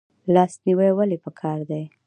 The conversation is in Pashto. لاس نیوی ولې پکار دی؟